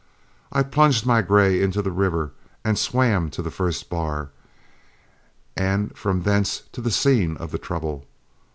I plunged my gray into the river and swam to the first bar, and from thence to the scene of the trouble.